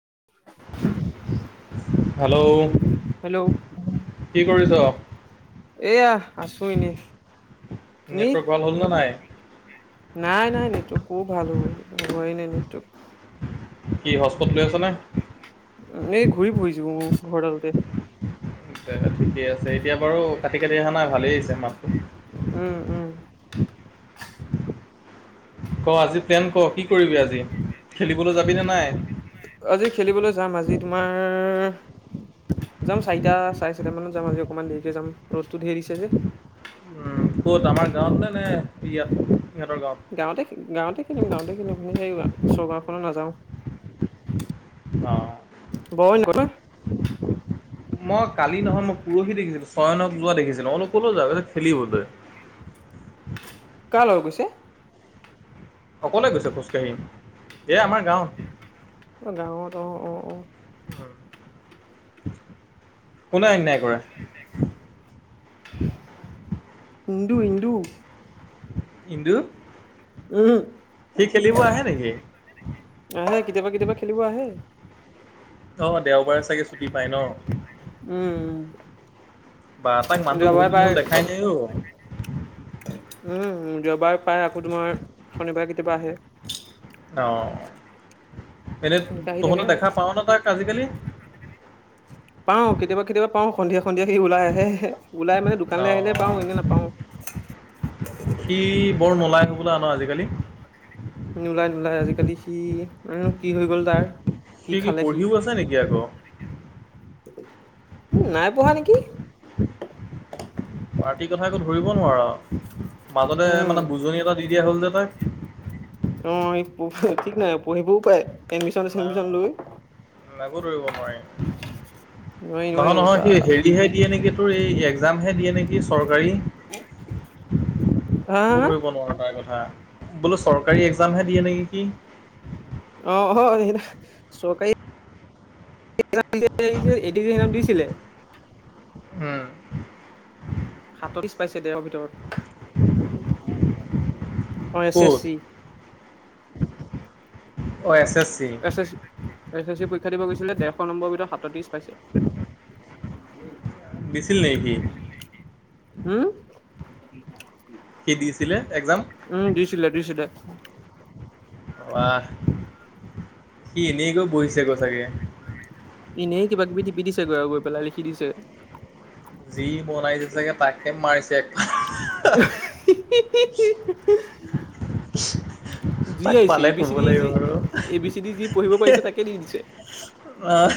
[inaudible] Hello hello কি কৰিছ। এয়া আছো এনে। নেটৱৰ্ক ভাল হ'ল না নাই। নাই নাই নেটৱৰ্ক ক'ত ভাল হ'ব হোৱাই নাই নেটৱৰ্ক। কি হটস্পট লৈ আছ না। উম এ ঘূৰি ফুৰিছো মোৰ ঘৰ ডালতে। দে ঠিকে আছে এতিয়া বাৰু কাটি কাটি অহা নাই ভালেই আহিছে মাতটো। উম উম ক' আজি প্লেন ক' কি কৰিবি আজি। খেলিবলৈ যাবিনে নাই আজি খেলিবলৈ যাম আজি তোমাৰ যাম চাৰিটা চাৰে চাৰিটা মানত যাম আজি অকমান দেৰিকে যাম ৰ'দটো ধেৰ দিছে যে। উম, ক'ত আমাৰ গাঁৱত নে, নে ইয়াত ইহঁতৰ গাঁৱত গাঁৱতে গাঁৱতে খেলিম গাঁৱতে খেলিম এই ওচৰ গাঁওখনত নাযাওঁ। অ', [unintelligible] মই কালি নহয় মই পৰহি দেখিছিলো চয়নক যোৱা দেখিছিলো মই বোলো ক'লৈ যোৱা কৈছে খেলিবলৈ। [inaudible] কাৰ লগত গৈছে? অকলে গৈছে খোজকাঢ়ি। এ আমাৰ গাঁৱত অ', গাঁৱত অ, অ, অ'। কোনে অন্যায় কৰে? [unintelligible] ইন্দু ইন্দু ইন্দু উম। সি খেলিব আহে নেকি? আহে কেতিয়াবা কেতিয়াবা খেলিব আহে। অ, দেওবাৰে চাগে ছুটি পাই ন। উম বা তাক মানুহটো বহুত যোৱাবাৰ দিন হ'ল তাই দেখাই নাই অ'। উম দেওবাৰে পায়, আকৌ তোমাৰ শনিবাৰে কেতিয়াবা আহে। অ, এনেই তেনেকে আহি থাকে তহঁতে আৰু দেখা পাৱ নে তাক আজিকালি? পাওঁ, কেতিয়াবা কেতিয়াবা পাওঁ সন্ধিয়া সন্ধিয়া সি ওলাই আহে, ওলাই মানে দোকানলৈ আহিলে পাওঁ অঁ এনে নাপাও। সি বৰ নোলাই হ'বলা ন আজিকালি। নোলাই নোলাই। আজিকালি সি জানো কি হৈ গ'ল তাৰ। সি কি পঢ়িও আছে নেকি আকৌ? উ নাই পঢ়া নেকি। পাৰ্টি কথা একো ধৰিব নোৱাৰ। মাজতে উম মানে বুজনি এটা দি দিয়া হ'ল যে তাক। অ', ঠিক নাই পঢ়িবও পাৰে। এডমিশন নাই চেডমিশন লৈ। একো ধৰিব নোৱাৰি। নোৱাৰি নোৱাৰি নহয় নহয় বা সি হেৰিহে দিয়ে নেকি, তোৰ এই এগজামহে দিয়ে নেকি চৰকাৰী। [unintelligible] [inaudible] হা হা একো হা, ধৰিব নোৱাৰো তাৰ কথা বোলো চৰকাৰী এগজামহে দিয়ে নেকি সি। অ', অ', চৰকাৰী [inaudible] এই যে এ দি জি হেৰাওন দিছিল। উম। সাতত্ৰিশ পাইছে, দেৰশ ভিতৰত। অ' এছ এছ চি। অ' এছ এছ এছ চি পৰীক্ষা দিব গৈছিলে। দেৰশ নম্বৰৰ ভিতৰত সাতত্ৰিশ পাইছে। তে [inaudible] [inaudible] দিছিল নেকি সি? উম, সি দিছিলে এক্জাম উম, দিছিলে দিছিলে। ৱাহ সি এনেই গৈ বহিছেগৈ চাগে। এনেই কিবা কিবি টিপি দিছে গৈ আৰু গৈ পেলাই লিখি দিছে। যি বনাইছে চাগে তাকে মাৰিছে এক [inaudible] [inaudible] যি তাক আহিছে পালে এ বি ক'ব চি ডি লাগিব যি, আৰু এ বি চি দি যি পঢ়িব পাৰিছে তাকে দি দিছে। অহ,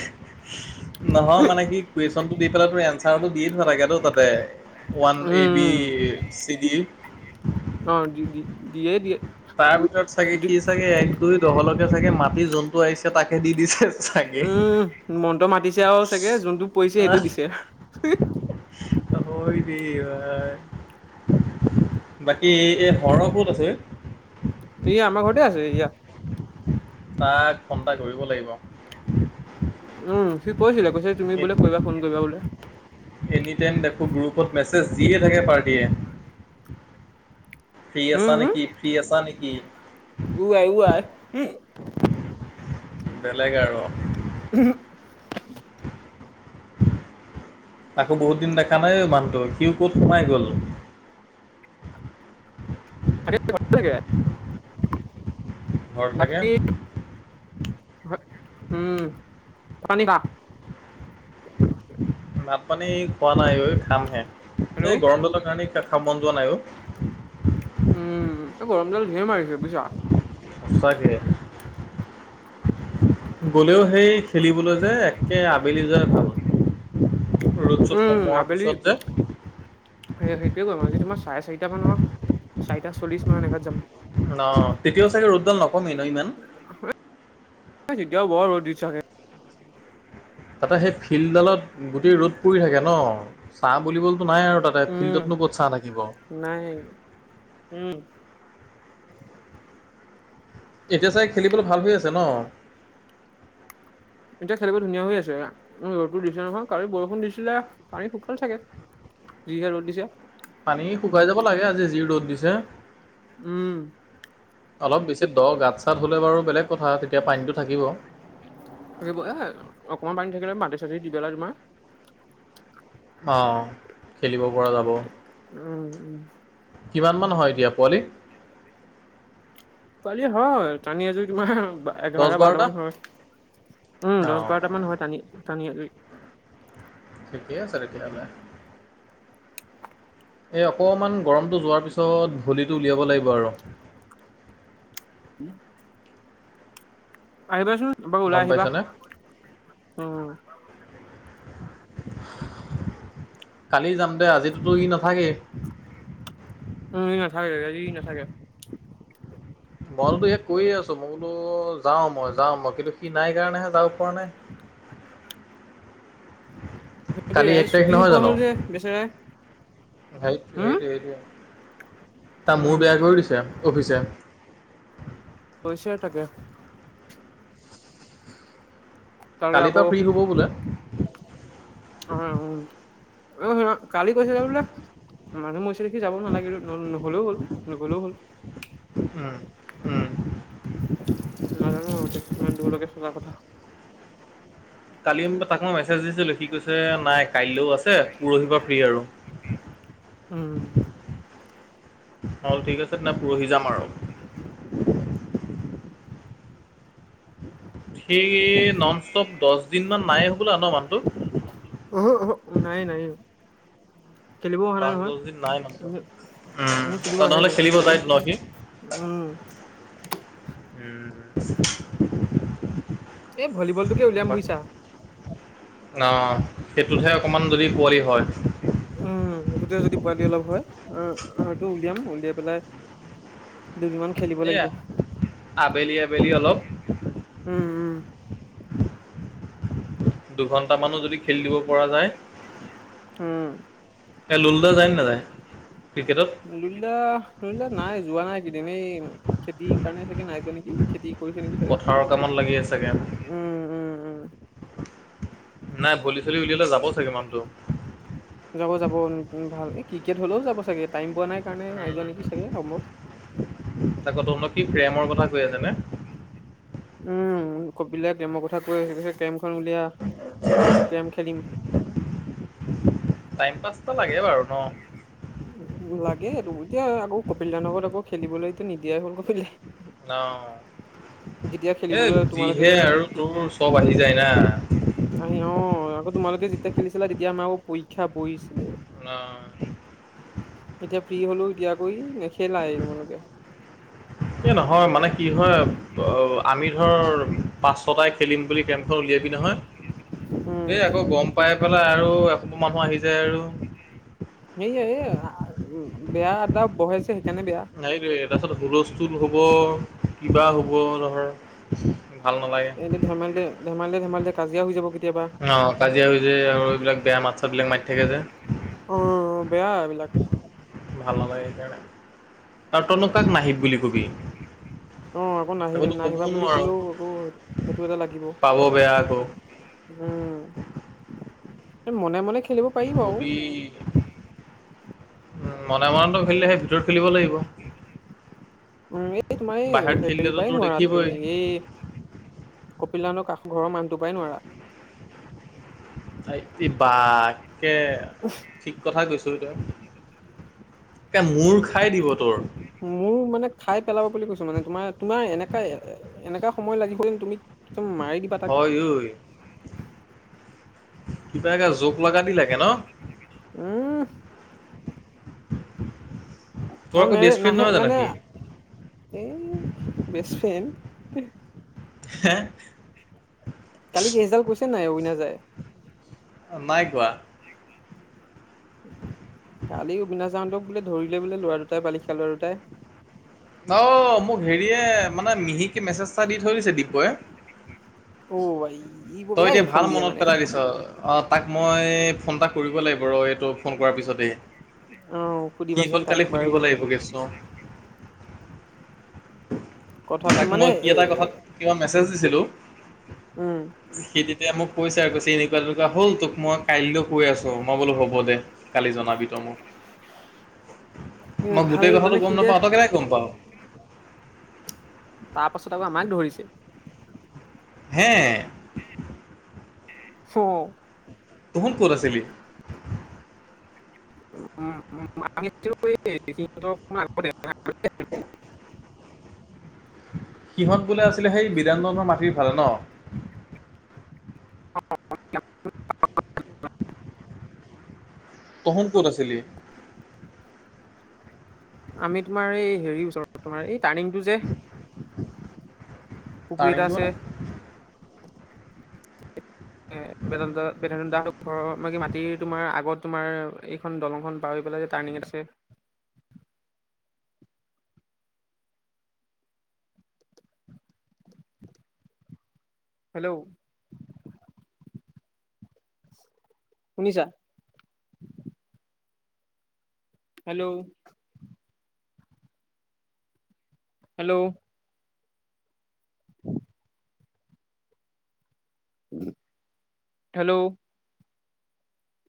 নহয় মানে কি কৈছ কুৱেশ্যনটো দি পেলাই তোৰ এঞ্চাৰটো দিয়ে থোৱা থাকেতো তাতে। One A B um, C D. অ', দি-দি দিয়ে দিয়ে। তাৰ ভিতৰত চাগে দি সি চাগে এক দুই দহলকে চাগে মাতি যোনটো আহিছে তাকে দি দিছে। চাগে উম, মন্ত্ৰ মাতিছে আৰু চাগে যোনটো পৰিছে সেইটো দিছে। হয় দেই ভাই। বাকী এই হৰ ক'ত আছে? ই আমাৰ ঘৰতে আছে এইয়া। তাক ফোন এটা কৰিব লাগিব। উম সি কৈছিলে, কৈছে তুমি বোলে কৈবা ফোন কৰিবা বোলে। টেন ডেফো গ্ৰুপত মেছেজ দিয়ে থাকে পাৰ্টীয়ে। হুম হম? আছা নেকি উআই উআই উম। বেলেগ আৰু উম। তাকো বহুত দিন দেখা নাই মানুহটোক, সিও ক'ত সোমাই গল। [unintelligible] ঘৰত থাকে বাকী উম পানিক ভাত পানী খোৱা নাই খামহে এই হেল্ল'। গৰম দালৰ কাৰণে দেখা মন যোৱা নাইো উম এই গৰম জাল ধে মাৰিছে বুইছা আছাাক গলেও সেই খেলিবলৈ যে একে আবেলি যায় ভাল ৰ'ড শ্ব'ত সোমোৱাৰ পিছত যে এই সেইটোয়েম আৰু আজি তোমাৰ চাৰে চাৰিটা মানৰ চাৰিটা চল্লিশ মান এগাত যাম ন তেতিয়াও চাগে ৰ'দডাল নকমেই ন ইমান এতিয়াও বৰ বৰু দি থাগে তাতে সেই ফিল্ডালত গোটেই ৰ'দ পৰি থাকে ন চাহ বুলিব নাই আৰু তাতে উম, ফিল্ডতনো ক'ত চাহ থাকিব নাই উম, এতিয়া চাগ খেলিবলৈ ভাল হৈ আছে ন এতিয়া খেলিবলৈ ধুনীয়া হৈ আছে ৰ'দো দিছে নহয় কাৰ বৰষুণ দিছিলে পানী সুকাল থাকে বিহাৰ ডিশা পানী শুকাই যাব লাগে আজি যি ৰ'দ দিছে উম অলপ বেছি দ গাত চাত হ'লে বাৰু বেলেগ তিটো থ থাকিব এ অকমান পানী থাকিলে মাটি দি বেলাৰ ম অঁ খেলিব পৰা উম উম কিমান মান হয় এ দতিয়া পোৱালি পোৱালী হয় টানি এযোৰ তোমাৰ এঘাৰটা বাৰটা মান হয় উম দহ অঁ বাৰটা মান হয় টানি টানি ছে খাল এই অকণমান গৰমটো যোৱাৰ পিছত ভলিটো উলিয়াব লাগিব আৰু হ আহিবাচোনাৰু গম ওলাই আহিবা পাইছনে? উ কালি যাম দে আজিতোতো ই নাথাকেই উম ই ন থাকে ই নাথাকে মইতো ই কৈয়ে আছো মোকোতো যাওঁ মই যাওঁ মই কিন্তু সি নাই কাৰণেহে যাব পৰা নাই কালি সটোয়া এক তাৰিখ চুটি নহয় নোপোৱা জানো? হ'ল যে বেচেৰাই সেই হুম সেইটো সেইটোোৱ তাৰ মোৰ উম বেয়া কৰি দিছে অফিচে পইচয় থাকে তাকে কালি পৰাা আকৌ ফ্ৰী হ'ব বোলে অ উ শু কালি কৈছো বোলে মানুহ ম দেখি যাব নালাগিল নহ'লেও হল নগ'লেও হল উম। [unintelligible] কালি তাক মই মেছেজ দিছিলো সি কৈছে নাই কাইলৈও আছে পৰহিৰ পৰা ফ্ৰী আৰু। উম। অ ঠিক আছে ন পৰহি যাম আৰু। সেই নন ষ্টপ দহ দিন মান নাই হবোলা ন মানুটো। অহো অহো নাই নাই খেলিবও অহা নাই নহয়, দিন নাই মানুহটো উমহোঁ। এনে খেলিব অ আহে নহ'লে তো, খেলিব যায় ন সি উম। উম। এই ভলীবলটোকে উলিয়াম বুজিছা। অ, সেইটোতহে অকমান যদি পোৱালি হয়। উম সেইটোতে যদি পোৱালি অলপ হয়, আহ সেইটো উলিয়াম, উলিয়াই পেলাই। দুদিনমান খেলিব লাগিব, এয়া আবেলি আবেলি অলপ উম উম। দুঘণ্টা মানো যদি খেলি দিব পৰা যায়। এ লুলুদা যায় নে নাযায় [unintelligible] ক্ৰিকেটত নাই যোৱা নাই। দিনে, খেতি কাৰণে চাগে নাই কৰি নেকি, খেতি কৰিছে নেকি চাগে, পথাৰৰ কামত লাগি আছে চাগে উম উম উম। নাই ভলি চলি উলিয়ালে যাব চাগে মানুটো। যাব যাব উম ভাল এই ক্ৰিকেট হলেও যাব চাগে টাইম পোৱা নাই কাৰণে নাই যোৱা নেকি চাগে সম। আকৌ তহঁতক কি প্ৰেমৰ কথা কৈ আছে নে। উম কপিদাই [unintelligible] উলিয়া, কেৰেম খেলিম। টাইম পাছ লাগে বাৰু ন। উ লাগে সেইটো এতিয়া আকৌ কপিলদাহতৰ ঘৰত আকৌ খেলিবলৈতটো নিদিয়াই হ'ল, কপিল ন, এ খেলিবলৈ তোমালোকে যিহে আৰু তোৰ চব আহি যায় না। আহি অ আকৌ তোমালোকে যেতিয়া খেলিছিলা তেতিয়া আমাৰ আকৌ পৰীক্ষা বহিছিলে। অ। এতিয়া ফ্ৰী হলো এতিয়া আকৌ ই নেখেলাই তোমালোকে। এ নহয় মানে কি হয় অ আমি ধৰ পাচটাই খেলিম বুলি কেমখন উলিয়াবি নহয়। উম এ আকৌ গম পাই পেলাই আৰু এশ মানুহ আহি যায় আৰু। সেইয়া-য়া, বেয়া আড্ডা বহাইছে [unintelligible] তাৰপাছত হুলস্থুল হ'ব, কিবা হ'ব নহয়। এইটো ধেমালিে, ধেমালিে ধেমালিে কাজিয়া হৈ যাব কেতিয়াবা অ, কাজিয়া হৈ যে আৰু এইবিলাক বেয়া মাত-চাত বিলাক মাৰি থাকে যে। অ বেয়া এইবিলাক। ভাল নালাগে সেইকাৰণে, ত তনু কাক নাহিব বুলি কবি। অ আকৌ নাহিলে আকৌতো নাহিবা ক'বও বুলি নোৱাৰ কলেও আকৌ, সেইটো এটা লাগিব। পাব বেয়া আকৌ। উম, মনে মনে খেলিব কি পাৰি বাৰু কবি। [unintelligible] খেলিলেহে ভিতৰত খেলিব লাগিব। উম এই তোমাৰ এই বাহিৰত হেৰি খেলিলেতো পাই তোৰ নোৱাৰা দেখিবই তুমি এই পল্যানক কাষৰ ঘৰৰ মানুহটোৰ পৰাই নোৱাৰা। [unintelligible] বা-কে ঠিক কথা কৈছো তই। ত মূৰ খাই দিব তোৰ। মোৰ মানে খাই পেলাব বুলি কৈছো মানে তোমাৰ তোমাৰ এনেকা এনেকা সময় লাগিব যেন তুমি। মাৰি দিবা তাক হয় ঐ, কিবা এগা জোক লগা লাগে ন। উম তোৰ অ আকৌ নে বেষ্ট ফ্ৰেণ্ড নাহে নহয় জানো মানে সি? এই বেচ ফে উম হ কালি কেজডাল কৈছে নাই উগনা যায় নাই কোৱা কালি অবিনাশ যাওঁতক বোলে ধৰিলে বোলে লৰা দুটাই বালিখা লৰা দুটাই অ মোক হেৰিয়ে মানে মিহিকে মেছেজ দি থৈ দিছে দিব্যই অ ভাই ই বৰ তই বেয়া এতিয়া ইনফৰ্ম ভাল দিয়ে মনত মানে পেলাই দিছ অ তাক মই ফোন এটা কৰিব লাগিব ৰ এইটো ফোন কৰাৰ পিছতেই। অ কি সুধিবাচোন হ'ল তাক কালি বাৰু শুনিব লাগিব গৈ ছোঁ। কথা সিয়াক মানে মই কি এ এটা কথাত কিবা মেছেজ দিছিলোঁ। উম সেই তেতিয়া মোক কৈছে কৈছে এনেকুৱা এনেকুৱা হ'ল তোক মই কাইলৈ কৈ আছোঁ। মই বোলো হ'ব দে কালি জনাবি তই মোক। মই ভাল গোটেই কথাটো মানে গম সিহঁতে নাপাওঁ তই কেনেক গম পাওঁ। তাৰপাছত আকৌ আমাক ধৰিছে। হে। চো। তুহুন ক'ত আছিলি। [unintelligible] সিহঁত বোলে আছিলে সেই বিদানন্দনৰ মাটিৰ ফালে নহ। [unintelligible] তহোন ক'ত আছিলি। আমি তোমাৰ এই হেৰিৰ ওচৰত তোমাৰ এই টাৰ্ণিংটো যে। পুখুৰী এটা টাৰ্ণিংটো আছে। মানে? [inaudible] এ বেদ বেদান্ত দাৰ হঁতৰ ঘৰৰ মাটি তোমাৰ আগত তোমাৰ এইখন দলংখন পাৰ হৈ। টাৰ্ণিং এটা আছে। হেল্ল'। শুনিছা। হেল্ল'। হেল্ল'। হেল্ল'।